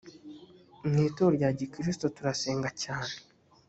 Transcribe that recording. mu itorero rya gikristo turasenga cyane